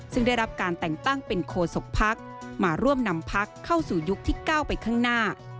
ซึ่งได้รับการแต่งตั้งเป็นโคศกพักมาร่วมนำพักเข้าสู่ยุคที่๙ไปข้างหน้า